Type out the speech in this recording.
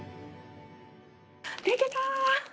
できた！